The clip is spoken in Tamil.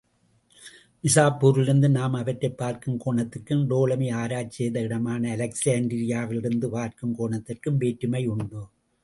நிசாப்பூரிலிருந்து நாம் அவற்றைப் பார்க்கும் கோணத்திற்கும், டோலமி ஆராய்ச்சி செய்த இடமான அலெக்சாண்டரியாவிலிருந்து பார்க்கும் கோணத்திற்கும் வேற்றுமையுண்டு.